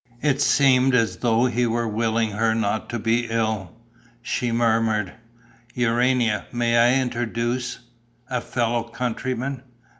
It seemed as though he were willing her not to be ill. She murmured: "Urania, may I introduce ... a fellow countryman?...